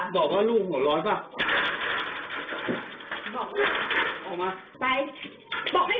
บอกให้ไป